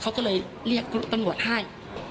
เขาก็เลยเรียกตำรวจให้